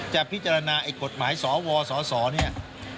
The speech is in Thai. จะพิจารณาไอ้กฎหมายสวสสเนี่ย